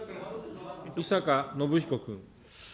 井坂信彦君。